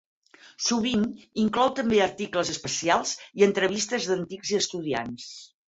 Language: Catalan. Sovint inclou també articles especials i entrevistes d'antics estudiants.